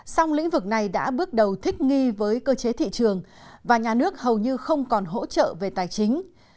song lĩnh vực này đã bước đầu thích nghi với cơ chế thị trường và nhà nước hầu như không còn hỗ trợ về tài chính